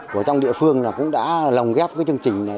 của trong địa phương là cũng đã lồng ghép cái chương trình này